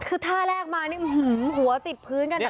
คือท่าแรกมานี่หัวติดพื้นกันนะ